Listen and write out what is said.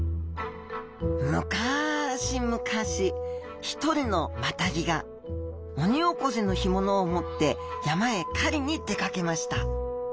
むかし昔一人のマタギがオニオコゼの干物を持って山へ狩りに出かけました。